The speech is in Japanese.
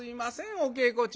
お稽古中。